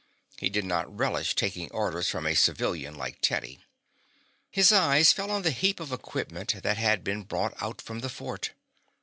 He did not relish taking orders from a civilian like Teddy. His eye fell on the heap of equipment that had been brought out from the fort.